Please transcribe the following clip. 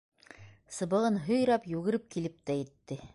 Сыбығын һөйрәп, йүгереп килеп тә етте.